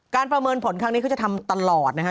ประเมินผลครั้งนี้เขาจะทำตลอดนะฮะ